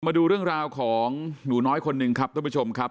มาดูเรื่องราวของหนูน้อยคนหนึ่งครับท่านผู้ชมครับ